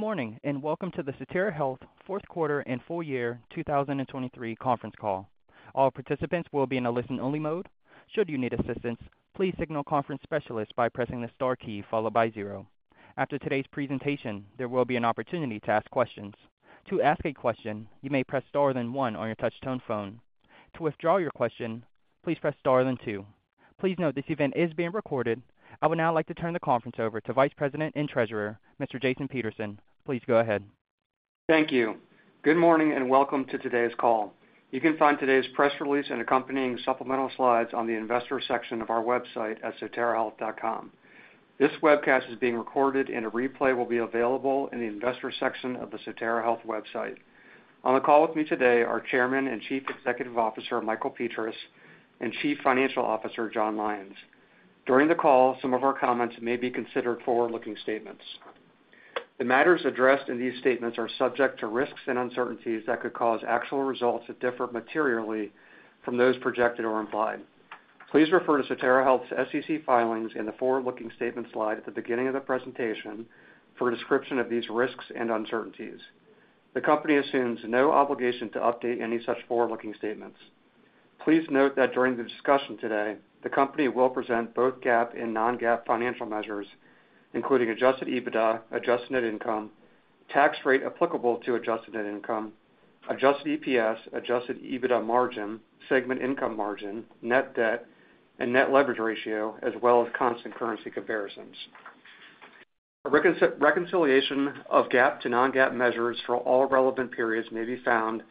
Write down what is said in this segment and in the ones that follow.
Good morning and welcome to the Sotera Health fourth quarter and full year 2023 conference call. All participants will be in a listen-only mode. Should you need assistance, please signal conference specialist by pressing the star key followed by zero. After today's presentation, there will be an opportunity to ask questions. To ask a question, you may press star then one on your touch-tone phone. To withdraw your question, please press star then two. Please note, this event is being recorded. I would now like to turn the conference over to Vice President and Treasurer, Mr. Jason Peterson. Please go ahead. Thank you. Good morning and welcome to today's call. You can find today's press release and accompanying supplemental slides on the investor section of our website at soterahealth.com. This webcast is being recorded and a replay will be available in the investor section of the Sotera Health website. On the call with me today are Chairman and Chief Executive Officer Michael Petras and Chief Financial Officer Jon Lyons. During the call, some of our comments may be considered forward-looking statements. The matters addressed in these statements are subject to risks and uncertainties that could cause actual results that differ materially from those projected or implied. Please refer to Sotera Health's SEC filings in the forward-looking statements slide at the beginning of the presentation for a description of these risks and uncertainties. The company assumes no obligation to update any such forward-looking statements. Please note that during the discussion today, the company will present both GAAP and non-GAAP financial measures, including adjusted EBITDA, adjusted net income, tax rate applicable to adjusted net income, adjusted EPS, adjusted EBITDA margin, segment income margin, net debt, and net leverage ratio, as well as constant currency comparisons. A reconciliation of GAAP to non-GAAP measures for all relevant periods may be found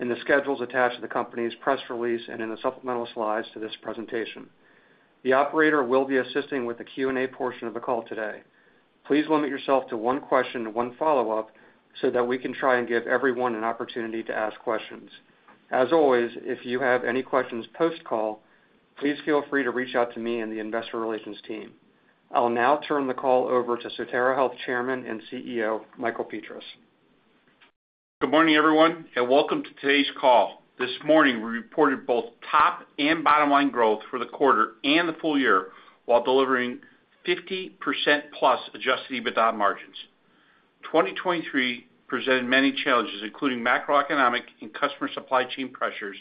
in the schedules attached to the company's press release and in the supplemental slides to this presentation. The operator will be assisting with the Q&A portion of the call today. Please limit yourself to one question and one follow-up so that we can try and give everyone an opportunity to ask questions. As always, if you have any questions post-call, please feel free to reach out to me and the investor relations team. I'll now turn the call over to Sotera Health Chairman and CEO Michael Petras. Good morning, everyone, and welcome to today's call. This morning, we reported both top and bottom-line growth for the quarter and the full year while delivering 50%-plus adjusted EBITDA margins. 2023 presented many challenges, including macroeconomic and customer supply chain pressures,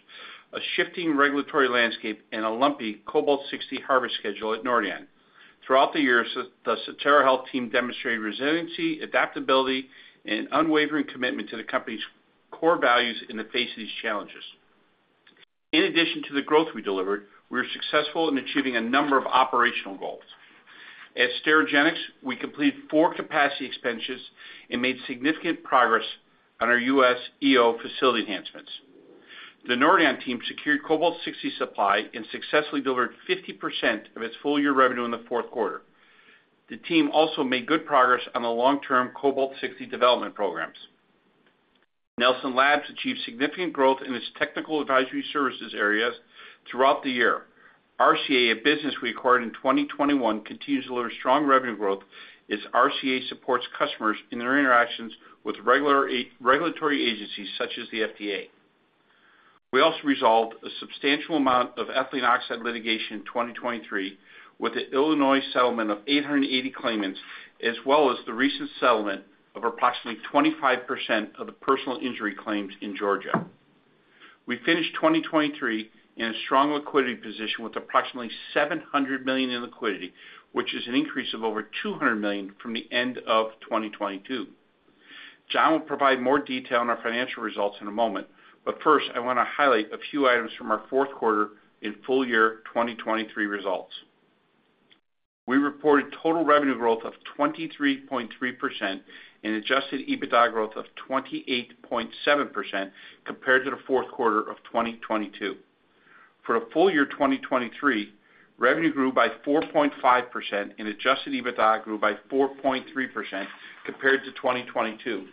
a shifting regulatory landscape, and a lumpy Cobalt-60 harvest schedule at Nordion. Throughout the year, the Sotera Health team demonstrated resiliency, adaptability, and unwavering commitment to the company's core values in the face of these challenges. In addition to the growth we delivered, we were successful in achieving a number of operational goals. At Sterigenics, we completed four capacity expansions and made significant progress on our U.S. EO facility enhancements. The Nordion team secured Cobalt-60 supply and successfully delivered 50% of its full year revenue in the fourth quarter. The team also made good progress on the long-term Cobalt-60 development programs. Nelson Labs achieved significant growth in its technical advisory services areas throughout the year. RCA, a business we acquired in 2021, continues to deliver strong revenue growth as RCA supports customers in their interactions with regulatory agencies such as the FDA. We also resolved a substantial amount of ethylene oxide litigation in 2023 with an Illinois settlement of 880 claimants, as well as the recent settlement of approximately 25% of the personal injury claims in Georgia. We finished 2023 in a strong liquidity position with approximately $700 million in liquidity, which is an increase of over $200 million from the end of 2022. Jon will provide more detail on our financial results in a moment, but first, I want to highlight a few items from our fourth quarter and full year 2023 results. We reported total revenue growth of 23.3% and adjusted EBITDA growth of 28.7% compared to the fourth quarter of 2022. For the full year 2023, revenue grew by 4.5% and adjusted EBITDA grew by 4.3% compared to 2022.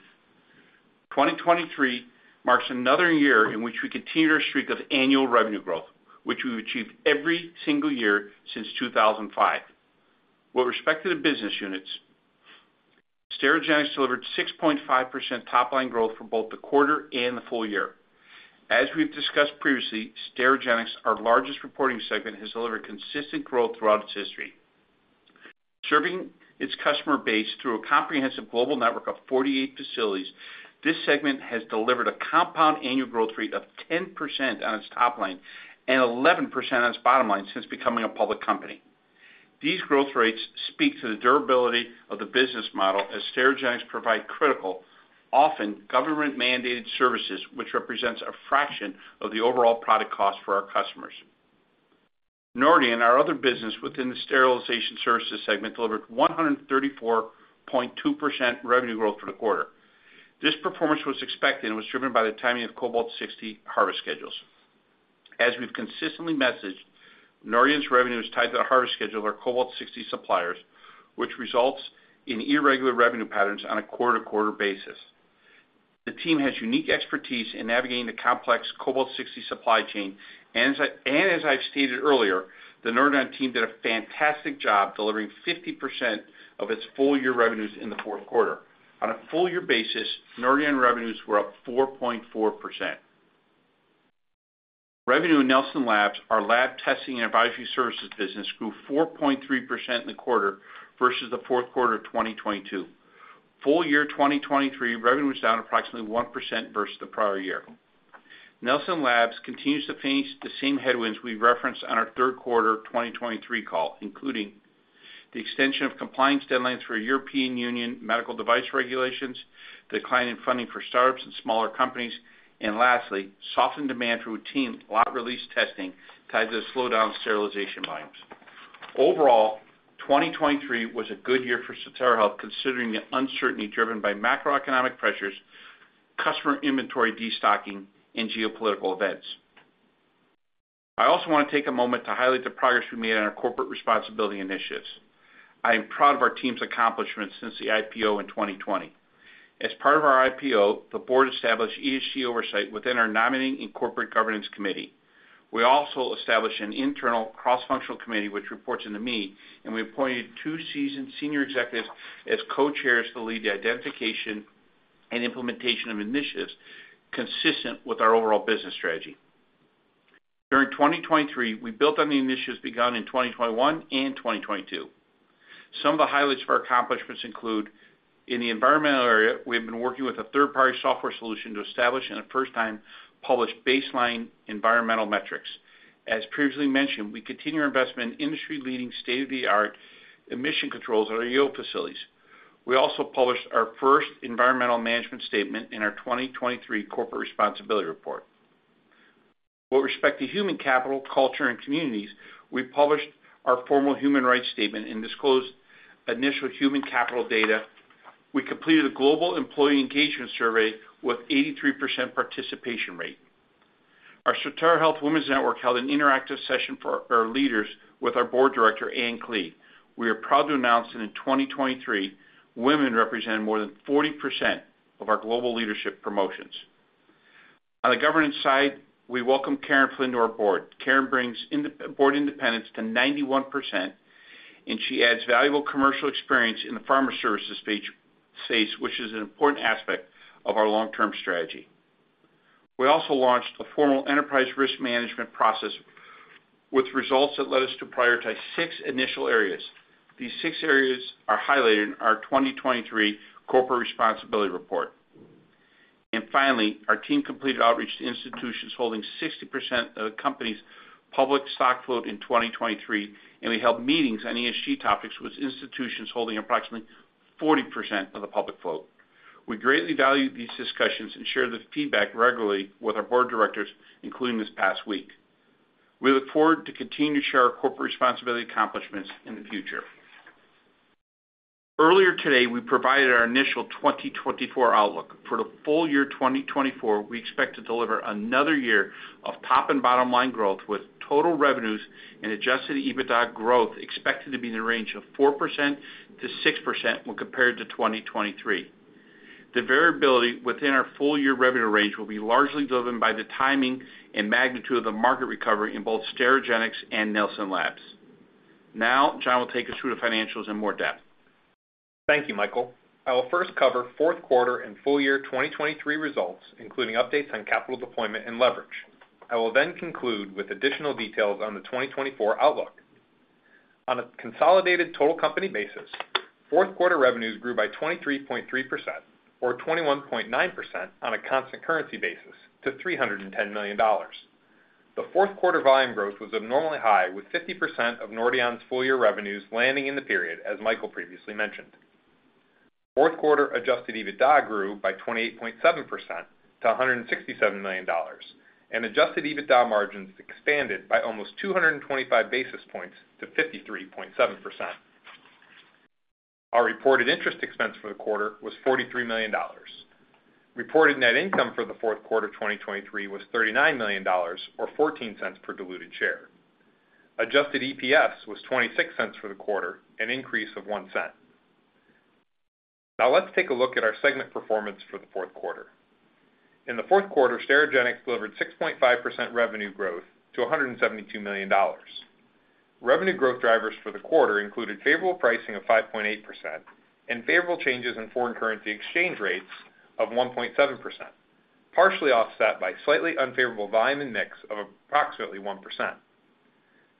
2023 marks another year in which we continued our streak of annual revenue growth, which we've achieved every single year since 2005. With respect to the business units, Sterigenics delivered 6.5% top-line growth for both the quarter and the full year. As we've discussed previously, Sterigenics, our largest reporting segment, has delivered consistent growth throughout its history. Serving its customer base through a comprehensive global network of 48 facilities, this segment has delivered a compound annual growth rate of 10% on its top line and 11% on its bottom line since becoming a public company. These growth rates speak to the durability of the business model as Sterigenics provide critical, often government-mandated services, which represents a fraction of the overall product cost for our customers. Nordion, our other business within the sterilization services segment, delivered 134.2% revenue growth for the quarter. This performance was expected and was driven by the timing of Cobalt-60 harvest schedules. As we've consistently messaged, Nordion's revenue is tied to the harvest schedule of our Cobalt-60 suppliers, which results in irregular revenue patterns on a quarter-to-quarter basis. The team has unique expertise in navigating the complex Cobalt-60 supply chain, and as I've stated earlier, the Nordion team did a fantastic job delivering 50% of its full year revenues in the fourth quarter. On a full year basis, Nordion revenues were up 4.4%. Revenue in Nelson Labs, our lab testing and advisory services business, grew 4.3% in the quarter versus the fourth quarter of 2022. Full year 2023, revenue was down approximately 1% versus the prior year. Nelson Labs continues to face the same headwinds we referenced on our third quarter 2023 call, including the extension of compliance deadlines for European Union medical device regulations, decline in funding for startups and smaller companies, and lastly, softened demand for routine lot release testing tied to the slowdown of sterilization volumes. Overall, 2023 was a good year for Sotera Health considering the uncertainty driven by macroeconomic pressures, customer inventory destocking, and geopolitical events. I also want to take a moment to highlight the progress we made on our corporate responsibility initiatives. I am proud of our team's accomplishments since the IPO in 2020. As part of our IPO, the board established ESG oversight within our Nominating and Corporate Governance Committee. We also established an internal cross-functional committee which repoNts into me, and we appointed two seasoned senior executives as co-chairs to lead the identification and implementation of initiatives consistent with our overall business strategy. During 2023, we built on the initiatives begun in 2021 and 2022. Some of the highlights of our accomplishments include: in the environmental area, we have been working with a third-party software solution to establish and the first-time published baseline environmental metrics. As previously mentioned, we continue our investment in industry-leading state-of-the-art emission controls at our EO facilities. We also published our first environmental management statement in our 2023 Corporate Responsibility Report. With respect to human capital, culture, and communities, we published our formal human rights statement and disclosed initial human capital data. We completed a global employee engagement survey with an 83% participation rate. Our Sotera Health Women's Network held an interactive session for our leaders with our board director, Ann Klee. We are proud to announce that in 2023, women represented more than 40% of our global leadership promotions. On the governance side, we welcomed Karen Flynn to our board. Karen brings board independence to 91%, and she adds valuable commercial experience in the pharma services space, which is an important aspect of our long-term strategy. We also launched a formal enterprise risk management process with results that led us to prioritize six initial areas. These six areas are highlighted in our 2023 corporate responsibility report. Finally, our team completed outreach to institutions holding 60% of the company's public stock float in 2023, and we held meetings on ESG topics with institutions holding approximately 40% of the public float. We greatly value these discussions and share the feedback regularly with our board directors, including this past week. We look forward to continuing to share our corporate responsibility accomplishments in the future. Earlier today, we provided our initial 2024 outlook. For the full year 2024, we expect to deliver another year of top and bottom line growth with total revenues and Adjusted EBITDA growth expected to be in the range of 4%-6% when compared to 2023. The variability within our full year revenue range will be largely driven by the timing and magnitude of the market recovery in both Sterigenics and Nelson Labs. Now, Jon will take us through the financials in more depth. Thank you, Michael. I will first cover fourth quarter and full year 2023 results, including updates on capital deployment and leverage. I will then conclude with additional details on the 2024 outlook. On a consolidated total company basis, fourth quarter revenues grew by 23.3% or 21.9% on a Constant Currency basis to $310 million. The fourth quarter volume growth was abnormally high, with 50% of Nordion's full year revenues landing in the period, as Michael previously mentioned. Fourth quarter Adjusted EBITDA grew by 28.7% to $167 million, and Adjusted EBITDA margins expanded by almost 225 basis points to 53.7%. Our reported interest expense for the quarter was $43 million. Reported net income for the fourth quarter 2023 was $39 million or $0.14 per diluted share. Adjusted EPS was $0.26 for the quarter, an increase of $0.01. Now, let's take a look at our segment performance for the fourth quarter. In the fourth quarter, Sterigenics delivered 6.5% revenue growth to $172 million. Revenue growth drivers for the quarter included favorable pricing of 5.8% and favorable changes in foreign currency exchange rates of 1.7%, partially offset by a slightly unfavorable volume and mix of approximately 1%.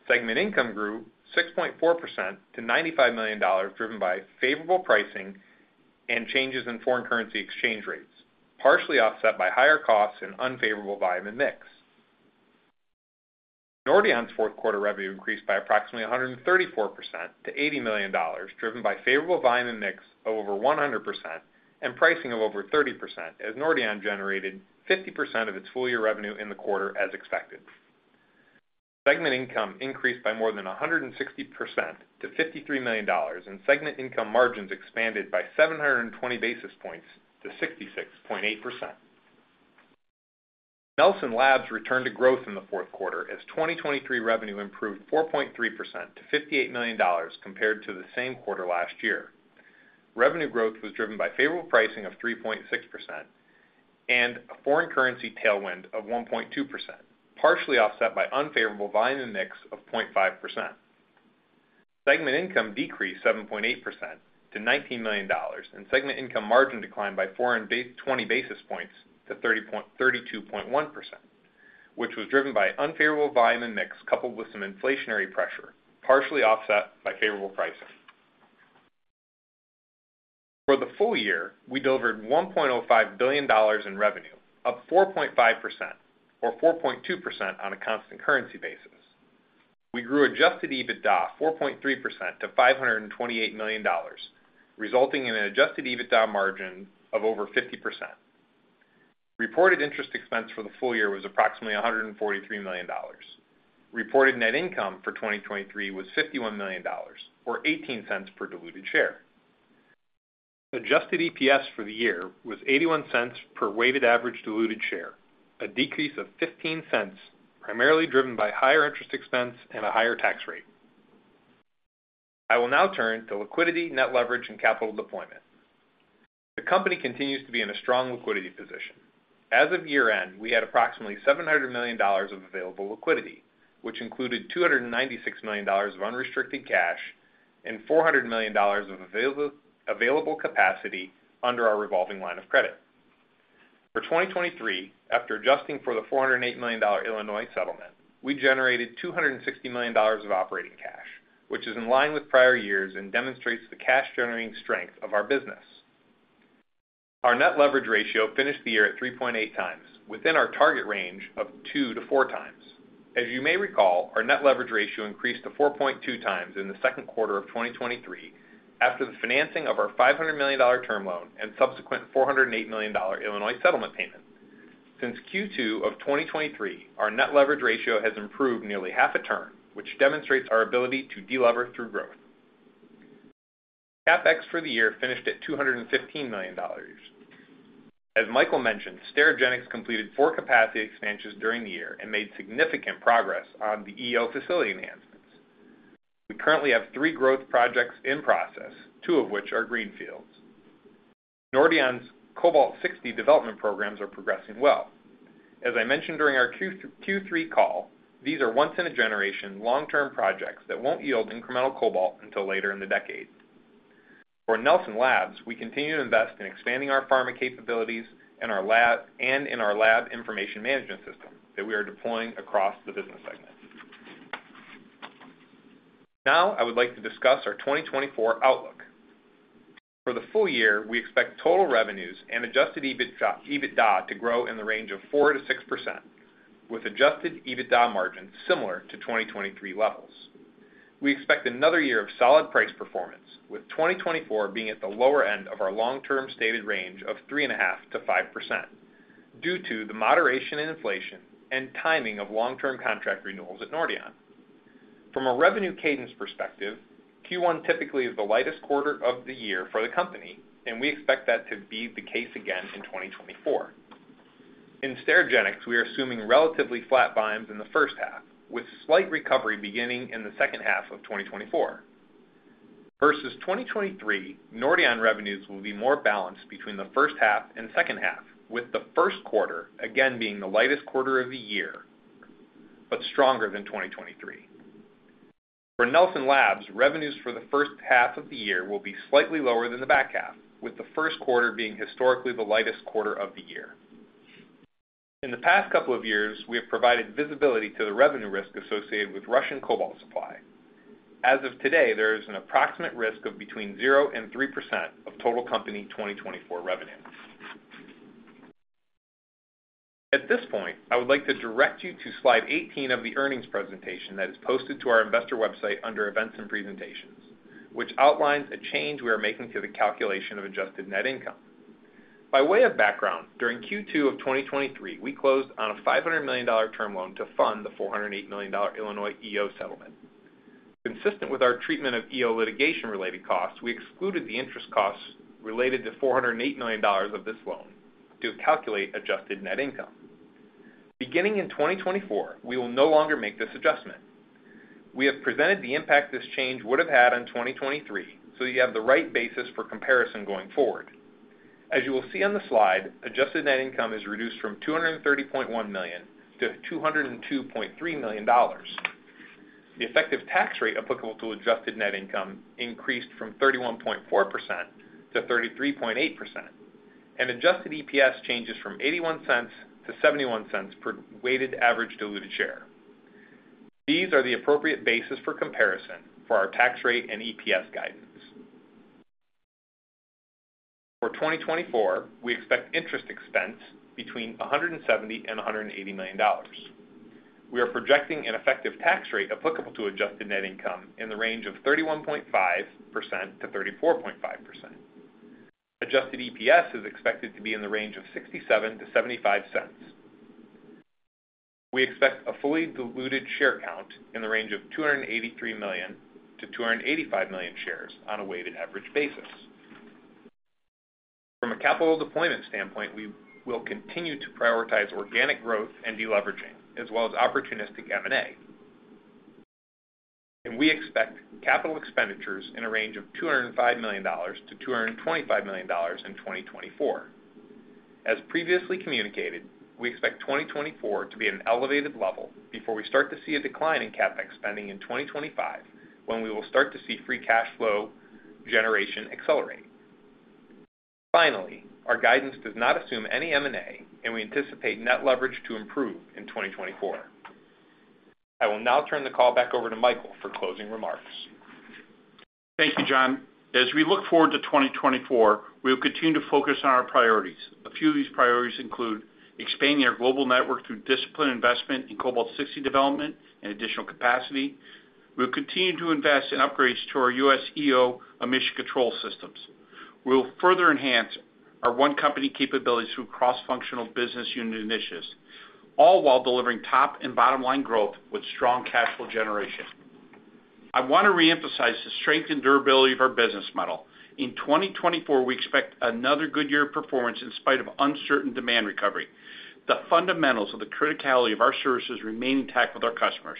Segment income grew 6.4% to $95 million, driven by favorable pricing and changes in foreign currency exchange rates, partially offset by higher costs and unfavorable volume and mix. Nordion's fourth quarter revenue increased by approximately 134% to $80 million, driven by favorable volume and mix of over 100% and pricing of over 30%, as Nordion generated 50% of its full year revenue in the quarter as expected. Segment income increased by more than 160% to $53 million, and segment income margins expanded by 720 basis points to 66.8%. Nelson Labs returned to growth in the fourth quarter as 2023 revenue improved 4.3% to $58 million compared to the same quarter last year. Revenue growth was driven by favorable pricing of 3.6% and a foreign currency tailwind of 1.2%, partially offset by unfavorable volume and mix of 0.5%. Segment income decreased 7.8% to $19 million, and segment income margin declined by 20 basis points to 32.1%, which was driven by unfavorable volume and mix coupled with some inflationary pressure, partially offset by favorable pricing. For the full year, we delivered $1.05 billion in revenue, up 4.5% or 4.2% on a constant currency basis. We grew Adjusted EBITDA 4.3% to $528 million, resulting in an Adjusted EBITDA margin of over 50%. Reported interest expense for the full year was approximately $143 million. Reported net income for 2023 was $51 million or $0.18 per diluted share. Adjusted EPS for the year was $0.81 per weighted average diluted share, a decrease of $0.15 primarily driven by higher interest expense and a higher tax rate. I will now turn to liquidity, net leverage, and capital deployment. The company continues to be in a strong liquidity position. As of year-end, we had approximately $700 million of available liquidity, which included $296 million of unrestricted cash and $400 million of available capacity under our revolving line of credit. For 2023, after adjusting for the $408 million Illinois settlement, we generated $260 million of operating cash, which is in line with prior years and demonstrates the cash-generating strength of our business. Our net leverage ratio finished the year at 3.8 times, within our target range of 2-4 times. As you may recall, our net leverage ratio increased to 4.2 times in the second quarter of 2023 after the financing of our $500 million term loan and subsequent $408 million Illinois settlement payment. Since Q2 of 2023, our net leverage ratio has improved nearly half a turn, which demonstrates our ability to delever through growth. CapEx for the year finished at $215 million. As Michael mentioned, Sterigenics completed four capacity expansions during the year and made significant progress on the EO facility enhancements. We currently have three growth projects in process, two of which are greenfields. Nordion's Cobalt-60 development programs are progressing well. As I mentioned during our Q3 call, these are once-in-a-generation long-term projects that won't yield incremental cobalt until later in the decade. For Nelson Labs, we continue to invest in expanding our pharma capabilities and in our lab information management system that we are deploying across the business segment. Now, I would like to discuss our 2024 outlook. For the full year, we expect total revenues and adjusted EBITDA to grow in the range of 4%-6%, with adjusted EBITDA margins similar to 2023 levels. We expect another year of solid price performance, with 2024 being at the lower end of our long-term stated range of 3.5%-5% due to the moderation in inflation and timing of long-term contract renewals at Nordion. From a revenue cadence perspective, Q1 typically is the lightest quarter of the year for the company, and we expect that to be the case again in 2024. In Sterigenics, we are assuming relatively flat volumes in the first half, with slight recovery beginning in the second half of 2024. Versus 2023, Nordion revenues will be more balanced between the first half and second half, with the first quarter again being the lightest quarter of the year but stronger than 2023. For Nelson Labs, revenues for the first half of the year will be slightly lower than the back half, with the first quarter being historically the lightest quarter of the year. In the past couple of years, we have provided visibility to the revenue risk associated with Russian cobalt supply. As of today, there is an approximate risk of between 0%-3% of total company 2024 revenue. At this point, I would like to direct you to slide 18 of the earnings presentation that is posted to our investor website under Events and Presentations, which outlines a change we are making to the calculation of Adjusted Net Income. By way of background, during Q2 of 2023, we closed on a $500 million term loan to fund the $408 million Illinois EO settlement. Consistent with our treatment of EO litigation-related costs, we excluded the interest costs related to $408 million of this loan to calculate Adjusted Net Income. Beginning in 2024, we will no longer make this adjustment. We have presented the impact this change would have had on 2023 so that you have the right basis for comparison going forward. As you will see on the slide, Adjusted Net Income is reduced from $230.1 million to $202.3 million. The effective tax rate applicable to adjusted net income increased from 31.4%-33.8%, and adjusted EPS changes from $0.81 to $0.71 per weighted average diluted share. These are the appropriate basis for comparison for our tax rate and EPS guidance. For 2024, we expect interest expense between $170 million-$180 million. We are projecting an effective tax rate applicable to adjusted net income in the range of 31.5%-34.5%. Adjusted EPS is expected to be in the range of $0.67-$0.75. We expect a fully diluted share count in the range of 283 million-285 million shares on a weighted average basis. From a capital deployment standpoint, we will continue to prioritize organic growth and deleveraging, as well as opportunistic M&A. We expect capital expenditures in a range of $205 million-$225 million in 2024. As previously communicated, we expect 2024 to be an elevated level before we start to see a decline in CapEx spending in 2025 when we will start to see free cash flow generation accelerate. Finally, our guidance does not assume any M&A, and we anticipate net leverage to improve in 2024. I will now turn the call back over to Michael for closing remarks. Thank you, Jon. As we look forward to 2024, we will continue to focus on our priorities. A few of these priorities include expanding our global network through disciplined investment in Cobalt-60 development and additional capacity. We will continue to invest in upgrades to our U.S. EO emission control systems. We will further enhance our one-company capabilities through cross-functional business unit initiatives, all while delivering top and bottom line growth with strong cash flow generation. I want to reemphasize the strength and durability of our business model. In 2024, we expect another good year of performance in spite of uncertain demand recovery. The fundamentals of the criticality of our services remain intact with our customers.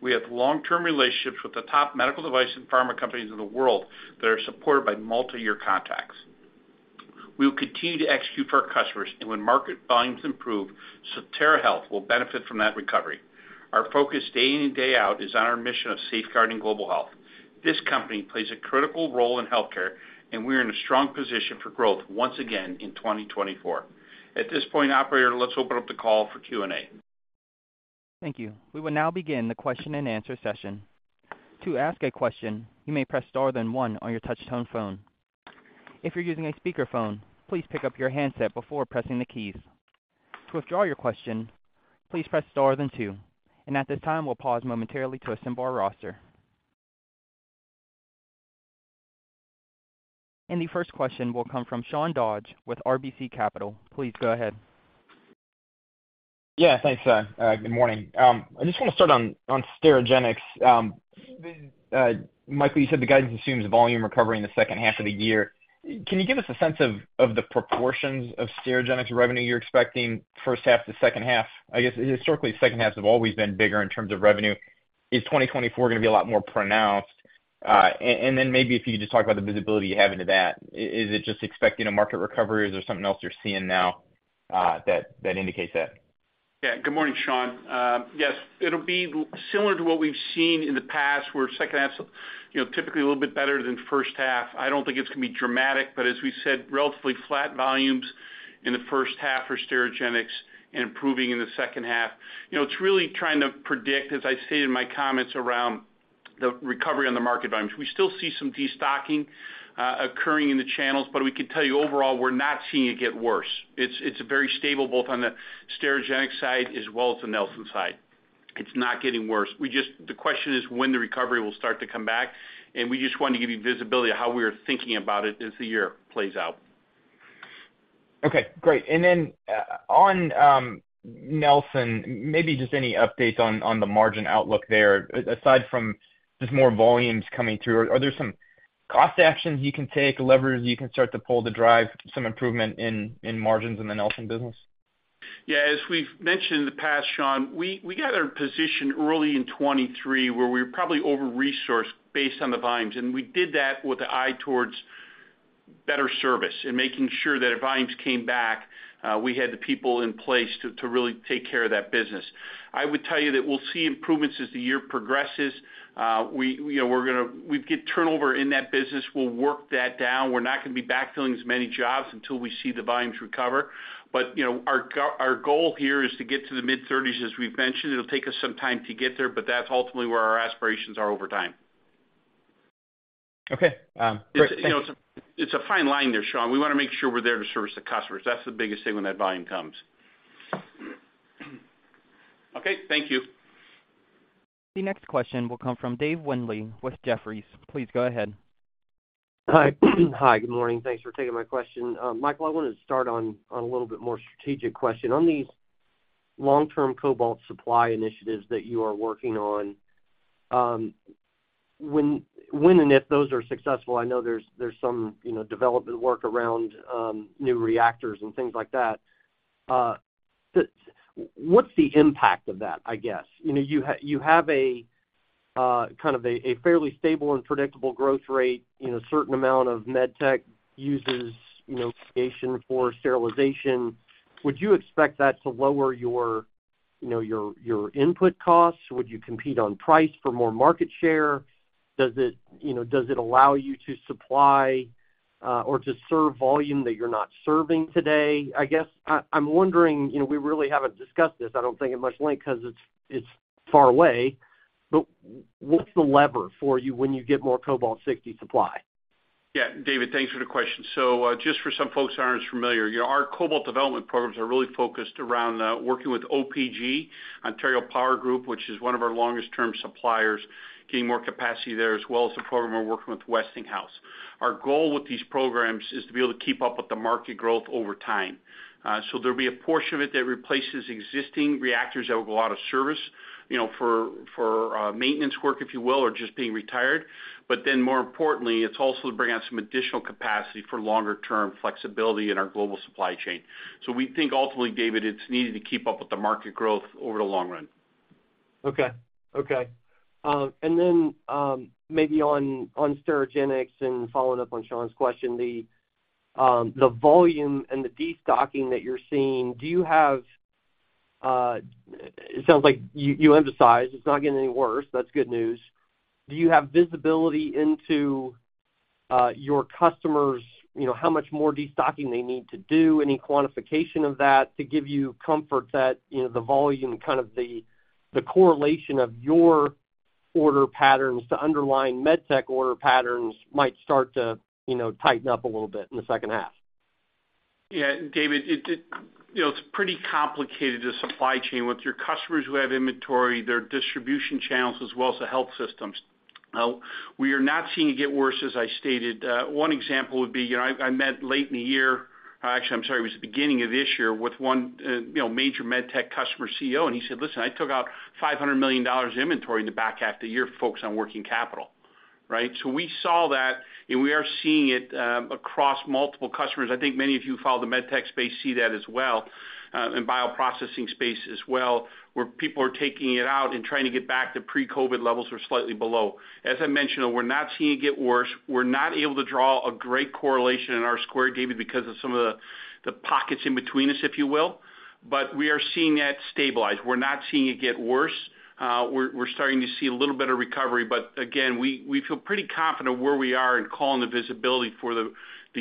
We have long-term relationships with the top medical device and pharma companies in the world that are supported by multi-year contracts. We will continue to execute for our customers, and when market volumes improve, Sotera Health will benefit from that recovery. Our focus day in and day out is on our mission of safeguarding global health. This company plays a critical role in healthcare, and we are in a strong position for growth once again in 2024. At this point, operator, let's open up the call for Q&A. Thank you. We will now begin the question-and-answer session. To ask a question, you may press star, then one on your touch-tone phone. If you're using a speakerphone, please pick up your handset before pressing the keys. To withdraw your question, please press star, then two. At this time, we'll pause momentarily to assemble our roster. The first question will come from Sean Dodge with RBC Capital. Please go ahead. Yeah, thanks, Chuck. Good morning. I just want to start on Sterigenics. Michael, you said the guidance assumes volume recovery in the second half of the year. Can you give us a sense of the proportions of Sterigenics revenue you're expecting first half to second half? I guess historically, second halves have always been bigger in terms of revenue. Is 2024 going to be a lot more pronounced? And then maybe if you could just talk about the visibility you have into that, is it just expecting a market recovery, or is there something else you're seeing now that indicates that? Yeah. Good morning, Sean. Yes, it'll be similar to what we've seen in the past, where second half's typically a little bit better than first half. I don't think it's going to be dramatic, but as we said, relatively flat volumes in the first half for Sterigenics and improving in the second half. It's really trying to predict, as I stated in my comments around the recovery on the market volumes. We still see some destocking occurring in the channels, but we can tell you overall, we're not seeing it get worse. It's very stable both on the Sterigenics side as well as the Nelson side. It's not getting worse. The question is when the recovery will start to come back, and we just wanted to give you visibility of how we are thinking about it as the year plays out. Okay. Great. And then on Nelson, maybe just any updates on the margin outlook there. Aside from just more volumes coming through, are there some cost actions you can take, levers you can start to pull to drive some improvement in margins in the Nelson business? Yeah. As we've mentioned in the past, Sean, we got our position early in 2023 where we were probably over-resourced based on the volumes. And we did that with an eye towards better service and making sure that if volumes came back, we had the people in place to really take care of that business. I would tell you that we'll see improvements as the year progresses. We'll get turnover in that business. We'll work that down. We're not going to be backfilling as many jobs until we see the volumes recover. But our goal here is to get to the mid-30s, as we've mentioned. It'll take us some time to get there, but that's ultimately where our aspirations are over time. Okay. Great. Thanks. It's a fine line there, Sean. We want to make sure we're there to service the customers. That's the biggest thing when that volume comes. Okay. Thank you. The next question will come from Dave Windley with Jefferies. Please go ahead. Hi. Hi. Good morning. Thanks for taking my question. Michael, I wanted to start on a little bit more strategic question. On these long-term cobalt supply initiatives that you are working on, when and if those are successful, I know there's some development work around new reactors and things like that. What's the impact of that, I guess? You have kind of a fairly stable and predictable growth rate. A certain amount of med tech uses radiation for sterilization. Would you expect that to lower your input costs? Would you compete on price for more market share? Does it allow you to supply or to serve volume that you're not serving today? I guess I'm wondering, we really haven't discussed this. I don't think in much length because it's far away. But what's the lever for you when you get more Cobalt-60 supply? Yeah. David, thanks for the question. So just for some folks that aren't familiar, our cobalt development programs are really focused around working with OPG, Ontario Power Generation, which is one of our longest-term suppliers, getting more capacity there, as well as the program we're working with Westinghouse. Our goal with these programs is to be able to keep up with the market growth over time. So there'll be a portion of it that replaces existing reactors that will go out of service for maintenance work, if you will, or just being retired. But then more importantly, it's also to bring out some additional capacity for longer-term flexibility in our global supply chain. So we think ultimately, David, it's needed to keep up with the market growth over the long run. Okay. Okay. And then maybe on Sterigenics and following up on Sean's question, the volume and the destocking that you're seeing, do you have it sounds like you emphasize it's not getting any worse. That's good news. Do you have visibility into your customers, how much more destocking they need to do, any quantification of that to give you comfort that the volume and kind of the correlation of your order patterns to underlying med tech order patterns might start to tighten up a little bit in the second half? Yeah. David, it's pretty complicated as a supply chain with your customers who have inventory, their distribution channels, as well as the health systems. We are not seeing it get worse, as I stated. One example would be I met late in the year actually, I'm sorry, it was the beginning of this year with one major med tech customer CEO, and he said, "Listen, I took out $500 million in inventory in the back half of the year for focusing on working capital." Right? So we saw that, and we are seeing it across multiple customers. I think many of you who follow the med tech space see that as well, and bioprocessing space as well, where people are taking it out and trying to get back to pre-COVID levels that were slightly below. As I mentioned, we're not seeing it get worse. We're not able to draw a great correlation in our square, David, because of some of the pockets in between us, if you will. But we are seeing that stabilize. We're not seeing it get worse. We're starting to see a little bit of recovery. But again, we feel pretty confident of where we are and calling the visibility for the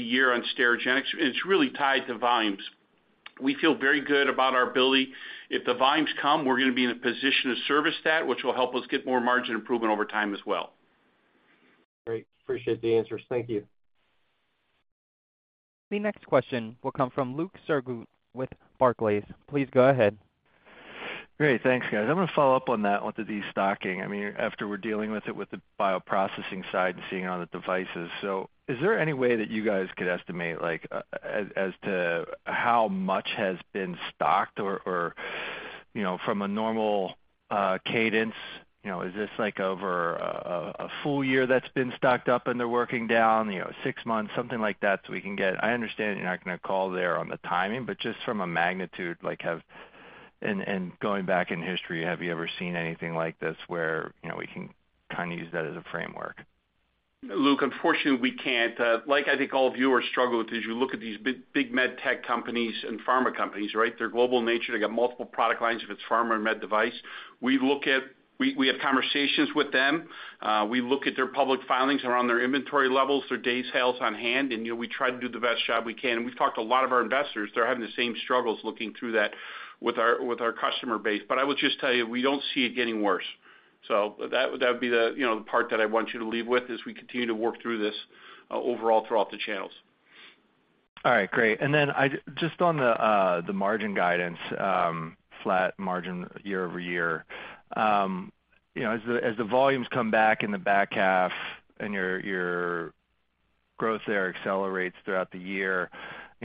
year on Sterigenics. And it's really tied to volumes. We feel very good about our ability. If the volumes come, we're going to be in a position to service that, which will help us get more margin improvement over time as well. Great. Appreciate the answers. Thank you. The next question will come from Luke Sergott with Barclays. Please go ahead. Great. Thanks, guys. I'm going to follow up on that with the destocking. I mean, after we're dealing with it with the bioprocessing side and seeing it on the devices. So is there any way that you guys could estimate as to how much has been stocked? Or from a normal cadence, is this over a full year that's been stocked up and they're working down, six months, something like that so we can get. I understand you're not going to call there on the timing, but just from a magnitude and going back in history, have you ever seen anything like this where we can kind of use that as a framework? Luke, unfortunately, we can't. I think all of you are struggling with this. You look at these big med tech companies and pharma companies, right? Their global nature. They've got multiple product lines, if it's pharma or med device. We have conversations with them. We look at their public filings around their inventory levels, their day's sales on hand, and we try to do the best job we can. And we've talked to a lot of our investors. They're having the same struggles looking through that with our customer base. But I will just tell you, we don't see it getting worse. So that would be the part that I want you to leave with is we continue to work through this overall throughout the channels. All right. Great. And then just on the margin guidance, flat margin year-over-year, as the volumes come back in the back half and your growth there accelerates throughout the year,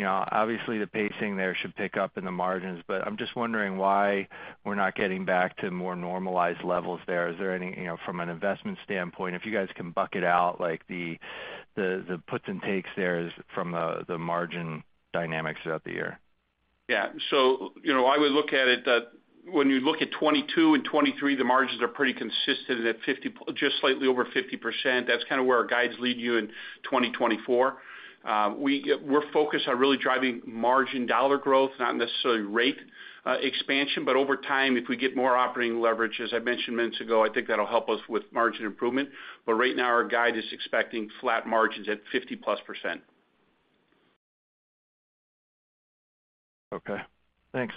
obviously, the pacing there should pick up in the margins. But I'm just wondering why we're not getting back to more normalized levels there. Is there anything from an investment standpoint, if you guys can break it out, the puts and takes there from the margin dynamics throughout the year? Yeah. So I would look at it that when you look at 2022 and 2023, the margins are pretty consistent at just slightly over 50%. That's kind of where our guides lead you in 2024. We're focused on really driving margin dollar growth, not necessarily rate expansion. But over time, if we get more operating leverage, as I mentioned minutes ago, I think that'll help us with margin improvement. But right now, our guide is expecting flat margins at 50%+. Okay. Thanks.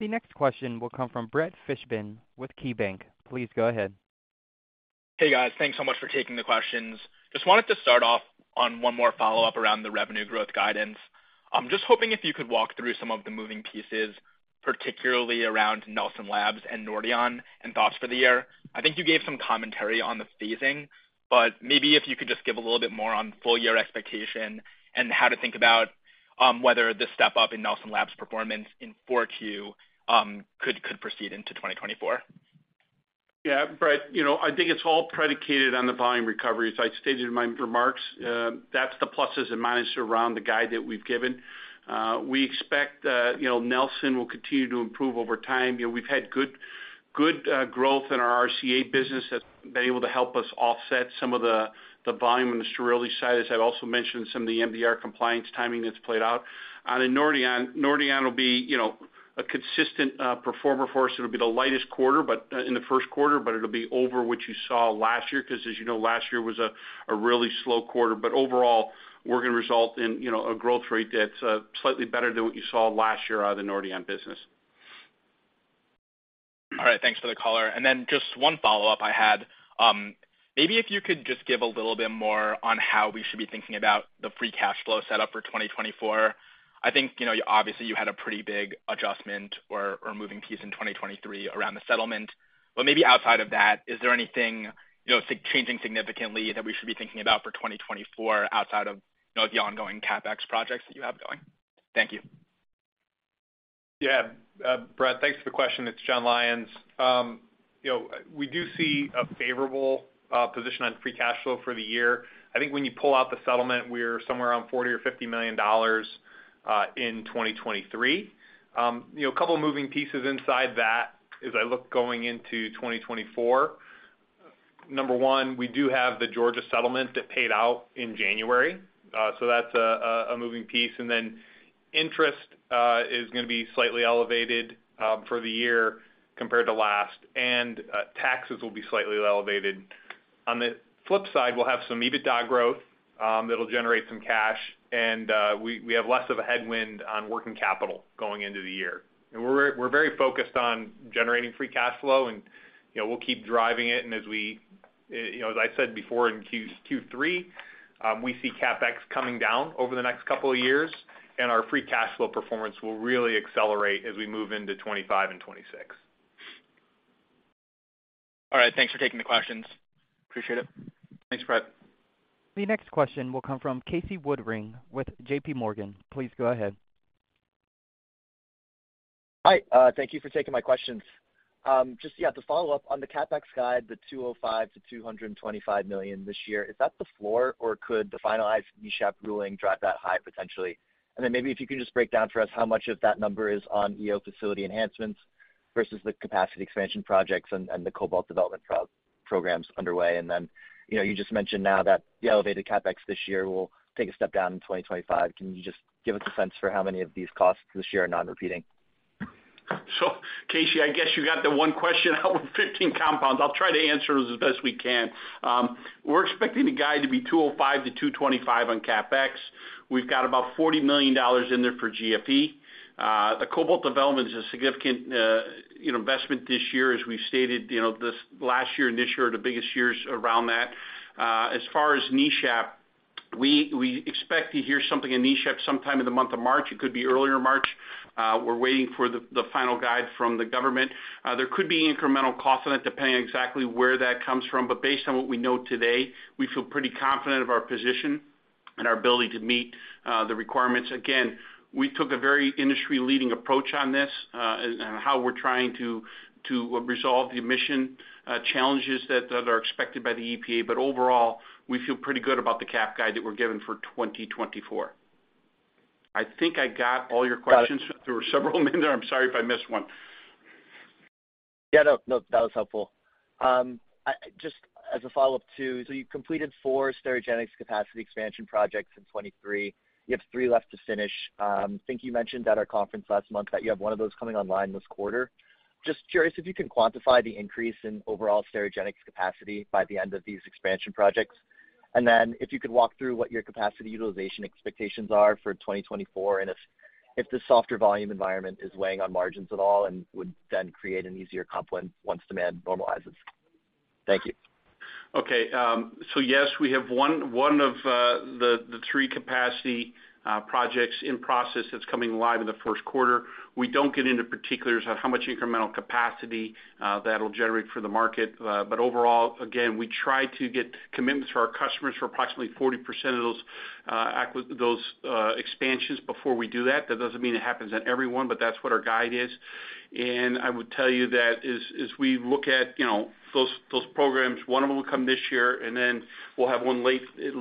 The next question will come from Brett Fishbin with KeyBanc. Please go ahead. Hey, guys. Thanks so much for taking the questions. Just wanted to start off on one more follow-up around the revenue growth guidance. I'm just hoping if you could walk through some of the moving pieces, particularly around Nelson Labs and Nordion and thoughts for the year. I think you gave some commentary on the phasing, but maybe if you could just give a little bit more on full-year expectation and how to think about whether this step up in Nelson Labs performance in 4Q could proceed into 2024. Yeah. Brett, I think it's all predicated on the volume recoveries. I stated in my remarks, that's the pluses and minuses around the guide that we've given. We expect Nelson will continue to improve over time. We've had good growth in our RCA business that's been able to help us offset some of the volume on the sterility side. As I've also mentioned, some of the MDR compliance timing that's played out. On Nordion, Nordion will be a consistent performer for us. It'll be the lightest quarter in the first quarter, but it'll be over what you saw last year because, as you know, last year was a really slow quarter. But overall, we're going to result in a growth rate that's slightly better than what you saw last year on the Nordion business. All right. Thanks for the caller. And then just one follow-up I had. Maybe if you could just give a little bit more on how we should be thinking about the free cash flow setup for 2024. I think obviously, you had a pretty big adjustment or moving piece in 2023 around the settlement. But maybe outside of that, is there anything changing significantly that we should be thinking about for 2024 outside of the ongoing CapEx projects that you have going? Thank you. Yeah. Brett, thanks for the question. It's Jon Lyons. We do see a favorable position on free cash flow for the year. I think when you pull out the settlement, we're somewhere around $40 million-$50 million in 2023. A couple of moving pieces inside that as I look going into 2024, number one, we do have the Georgia settlement that paid out in January. So that's a moving piece. And then interest is going to be slightly elevated for the year compared to last, and taxes will be slightly elevated. On the flip side, we'll have some EBITDA growth that'll generate some cash, and we have less of a headwind on working capital going into the year. And we're very focused on generating free cash flow, and we'll keep driving it. As I said before, in Q3, we see CapEx coming down over the next couple of years, and our free cash flow performance will really accelerate as we move into 2025 and 2026. All right. Thanks for taking the questions. Appreciate it. Thanks, Brett. The next question will come from Casey Woodring with J.P. Morgan. Please go ahead. Hi. Thank you for taking my questions. Just, yeah, to follow up, on the CapEx guide, the $205 million-$225 million this year, is that the floor, or could the finalized NESHAP ruling drive that high potentially? And then maybe if you can just break down for us how much of that number is on EO facility enhancements versus the capacity expansion projects and the cobalt development programs underway. And then you just mentioned now that the elevated CapEx this year will take a step down in 2025. Can you just give us a sense for how many of these costs this year are non-repeating? So Casey, I guess you got the one question out with 15 compounds. I'll try to answer those as best we can. We're expecting the guide to be 205-225 on CapEx. We've got about $40 million in there for GFE.. The cobalt development is a significant investment this year, as we've stated. Last year and this year are the biggest years around that. As far as NESHAP, we expect to hear something in NESHAP sometime in the month of March. It could be earlier March. We're waiting for the final guide from the government. There could be incremental costs on it depending on exactly where that comes from. But based on what we know today, we feel pretty confident of our position and our ability to meet the requirements. Again, we took a very industry-leading approach on this and how we're trying to resolve the emission challenges that are expected by the EPA. But overall, we feel pretty good about the cap guide that we're given for 2024. I think I got all your questions. There were several of them in there. I'm sorry if I missed one. Yeah. Nope. Nope. That was helpful. Just as a follow-up too, so you've completed 4 Sterigenics capacity expansion projects in 2023. You have 3 left to finish. I think you mentioned at our conference last month that you have 1 of those coming online this quarter. Just curious if you can quantify the increase in overall Sterigenics capacity by the end of these expansion projects. And then if you could walk through what your capacity utilization expectations are for 2024 and if the softer volume environment is weighing on margins at all and would then create an easier comp once demand normalizes. Thank you. Okay. So yes, we have one of the three capacity projects in process that's coming live in the first quarter. We don't get into particulars on how much incremental capacity that'll generate for the market. But overall, again, we try to get commitments from our customers for approximately 40% of those expansions before we do that. That doesn't mean it happens at everyone, but that's what our guide is. And I would tell you that as we look at those programs, one of them will come this year, and then we'll have one late in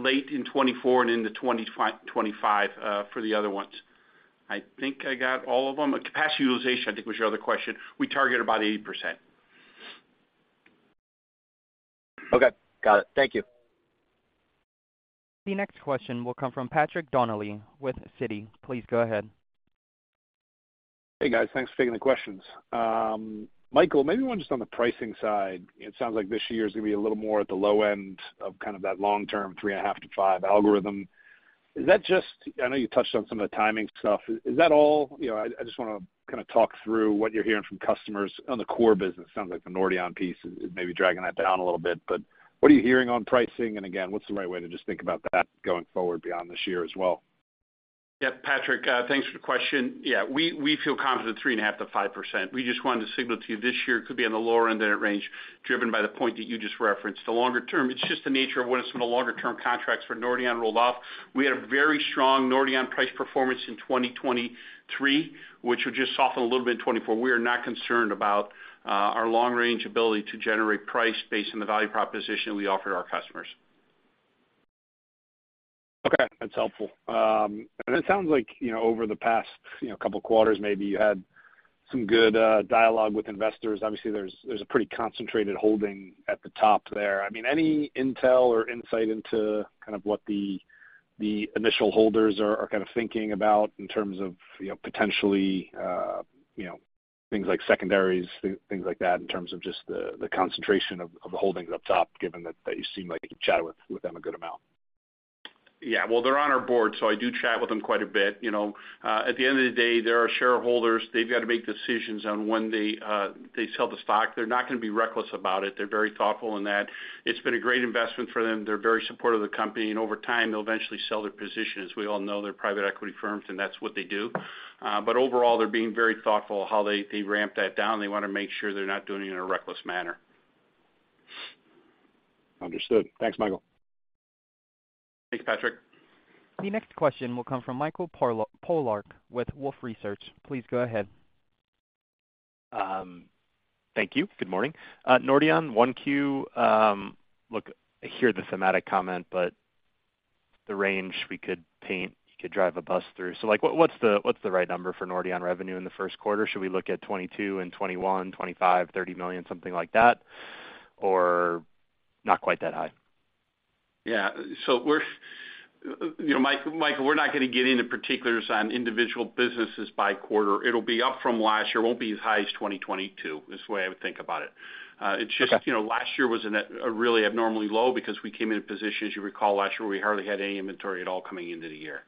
2024 and into 2025 for the other ones. I think I got all of them. Capacity utilization, I think, was your other question. We target about 80%. Okay. Got it. Thank you. The next question will come from Patrick Donnelly with Citi. Please go ahead. Hey, guys. Thanks for taking the questions. Michael, maybe one just on the pricing side. It sounds like this year is going to be a little more at the low end of kind of that long-term 3.5-5 algorithm. I know you touched on some of the timing stuff. Is that all? I just want to kind of talk through what you're hearing from customers on the core business. Sounds like the Nordion piece is maybe dragging that down a little bit. But what are you hearing on pricing? And again, what's the right way to just think about that going forward beyond this year as well? Yeah. Patrick, thanks for the question. Yeah. We feel confident at 3.5%-5%. We just wanted to signal to you this year could be on the lower end of that range driven by the point that you just referenced. The longer term, it's just the nature of when some of the longer-term contracts for Nordion rolled off. We had a very strong Nordion price performance in 2023, which would just soften a little bit in 2024. We are not concerned about our long-range ability to generate price based on the value proposition we offered our customers. Okay. That's helpful. And then it sounds like over the past couple of quarters, maybe you had some good dialogue with investors. Obviously, there's a pretty concentrated holding at the top there. I mean, any intel or insight into kind of what the initial holders are kind of thinking about in terms of potentially things like secondaries, things like that in terms of just the concentration of the holdings up top, given that you seem like you chatted with them a good amount? Yeah. Well, they're on our board, so I do chat with them quite a bit. At the end of the day, they're our shareholders. They've got to make decisions on when they sell the stock. They're not going to be reckless about it. They're very thoughtful in that. It's been a great investment for them. They're very supportive of the company. And over time, they'll eventually sell their position. As we all know, they're private equity firms, and that's what they do. But overall, they're being very thoughtful how they ramp that down. They want to make sure they're not doing it in a reckless manner. Understood. Thanks, Michael. Thanks, Patrick. The next question will come from Michael Polark with Wolfe Research. Please go ahead. Thank you. Good morning. Nordion, 1Q, look, I hear the thematic comment, but the range we could paint, you could drive a bus through. So what's the right number for Nordion revenue in the first quarter? Should we look at $22 million and $21 million, $25 million, $30 million, something like that, or not quite that high? Yeah. So Michael, we're not going to get into particulars on individual businesses by quarter. It'll be up from last year. It won't be as high as 2022 is the way I would think about it. It's just last year was a really abnormally low because we came into position, as you recall, last year where we hardly had any inventory at all coming into the year.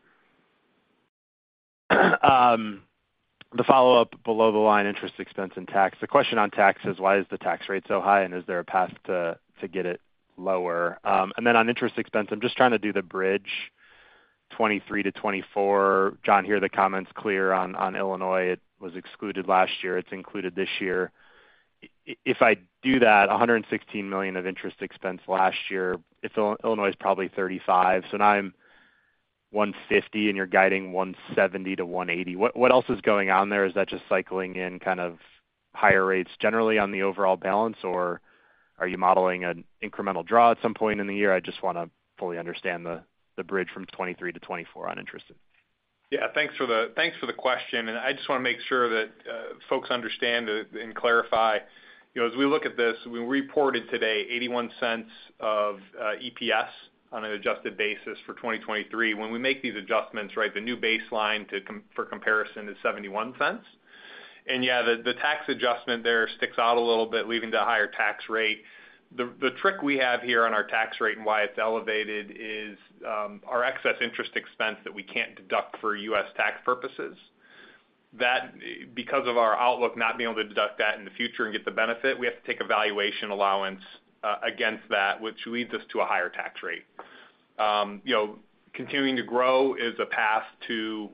The follow-up below the line, interest expense, and tax. The question on tax is, why is the tax rate so high, and is there a path to get it lower? And then on interest expense, I'm just trying to do the bridge 2023 to 2024. Jon, hear the comments clear on Illinois. It was excluded last year. It's included this year. If I do that, $116 million of interest expense last year, Illinois is probably $35 million. So now I'm $150 million, and you're guiding $170 million-$180 million. What else is going on there? Is that just cycling in kind of higher rates generally on the overall balance, or are you modeling an incremental draw at some point in the year? I just want to fully understand the bridge from 2023 to 2024 on interest. Yeah. Thanks for the question. And I just want to make sure that folks understand and clarify. As we look at this, we reported today $0.81 of EPS on an adjusted basis for 2023. When we make these adjustments, right, the new baseline for comparison is $0.71. And yeah, the tax adjustment there sticks out a little bit, leaving a higher tax rate. The trick we have here on our tax rate and why it's elevated is our excess interest expense that we can't deduct for U.S. tax purposes. Because of our outlook not being able to deduct that in the future and get the benefit, we have to take a valuation allowance against that, which leads us to a higher tax rate. Continuing to grow is a path to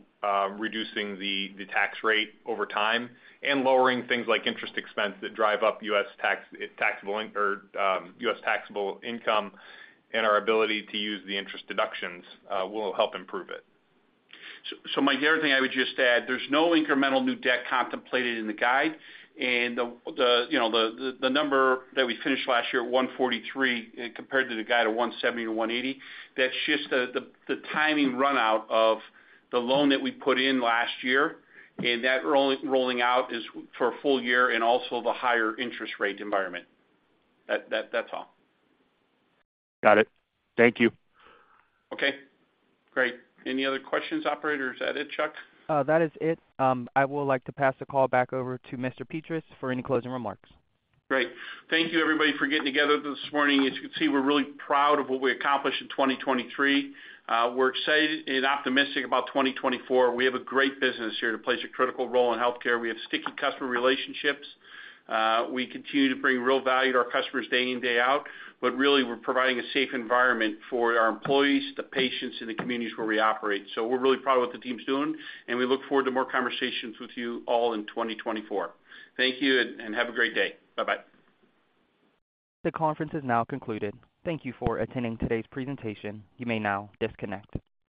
reducing the tax rate over time, and lowering things like interest, expense that drive up U.S. taxable income and our ability to use the interest deductions will help improve it. So my other thing I would just add, there's no incremental new debt contemplated in the guide. The number that we finished last year at 143 compared to the guide at 170 or 180, that's just the timing runout of the loan that we put in last year, and that rolling out is for a full year and also the higher interest rate environment. That's all. Got it. Thank you. Okay. Great. Any other questions, operators? Is that it, Chuck? That is it. I will like to pass the call back over to Mr. Petras for any closing remarks. Great. Thank you, everybody, for getting together this morning. As you can see, we're really proud of what we accomplished in 2023. We're excited and optimistic about 2024. We have a great business here to play a critical role in healthcare. We have sticky customer relationships. We continue to bring real value to our customers day in, day out. But really, we're providing a safe environment for our employees, the patients, and the communities where we operate. So we're really proud of what the team's doing, and we look forward to more conversations with you all in 2024. Thank you, and have a great day. Bye-bye. The conference is now concluded. Thank you for attending today's presentation. You may now disconnect.